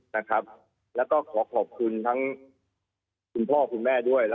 และขอขอบคุณทั้งคุณพ่อคุณแม่ด้วย